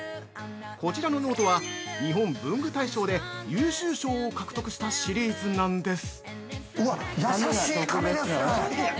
こちらのノートは日本文具大賞で優秀賞を獲得したシリーズなんです。